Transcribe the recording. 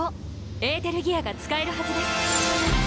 エーテルギアが使えるはずです。